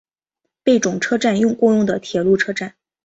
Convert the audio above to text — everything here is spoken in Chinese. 贝冢车站共用的铁路车站。